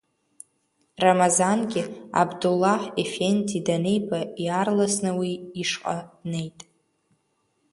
Рамазангьы Абдуллаҳ Ефенди даниба иаарласны уи ишҟа днеит.